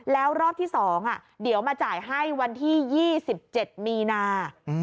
แล้วรอบที่๒เดี๋ยวมาจ่ายให้วันที่๒๗มีนา